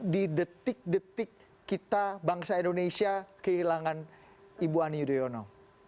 di detik detik kita bangsa indonesia kehilangan ibu ani yudhoyono